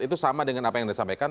itu sama dengan apa yang disampaikan